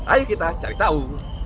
ayo kita cari tahu